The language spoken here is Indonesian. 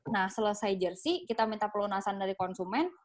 nah selesai jersi kita minta pelunasan dari konsumen